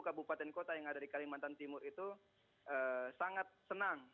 kabupaten kota yang ada di kalimantan timur itu sangat senang